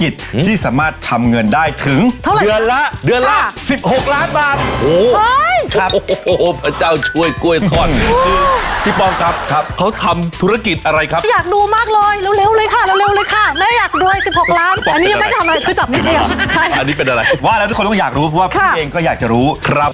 จะพาคุณผู้ชมแล้วก็แม่เนยและพี่อามนะครับ